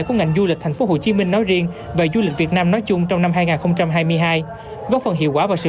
của ngành du lịch thành phố hồ chí minh nói riêng và du lịch việt nam nói chung trong năm hai nghìn hai mươi hai